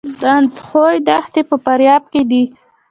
د اندخوی دښتې په فاریاب کې دي